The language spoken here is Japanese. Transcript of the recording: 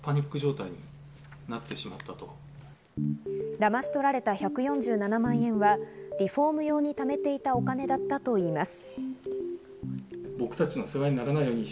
だまし取られた１４７万円はリフォーム用にためていたお金だったといいます。